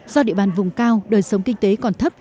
do địa bàn vùng cao đời sống kinh tế còn thấp